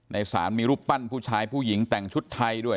ในศาลมีรูปปั้นผู้ชายผู้หญิงแต่งชุดไทยด้วย